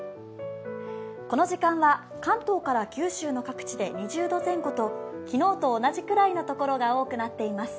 この時間は関東から九州の各地で２０度前後と昨日と同じくらいの所が多くなっています。